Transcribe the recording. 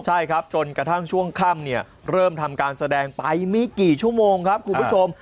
ใช่ครับจนกระทั่งช่วงค่ำเนี่ยเริ่มทำการแสดงไปไม่กี่ชั่วโมงครับคุณผู้ชม